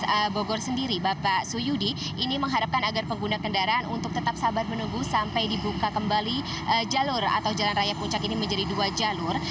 dari polres bogor sendiri bapak suyudi ini mengharapkan agar pengguna kendaraan untuk tetap sabar menunggu sampai dibuka kembali jalur atau jalan raya puncak ini menjadi dua jalur